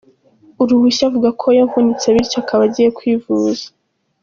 uruhushya avuga ko yavunitse bityo akaba agiye kwivuza.